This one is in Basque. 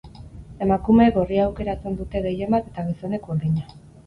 Emakumeek gorria aukeratzen dute gehienbat eta gizonek urdina.